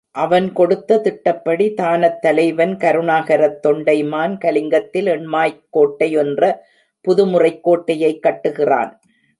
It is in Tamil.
அவன் கொடுத்த திட்டப்படி, தானத்தலைவன் கருணாகரத் தொண்டைமான் கலிங்கத்தில் எண்மாய்க் கோட்டை என்ற புது முறைக் கோட்டையைக் கட்டுகிறான்.